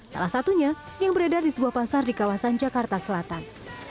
salah satunya yang beredar di sebuah pasar di kawasan jakarta selatan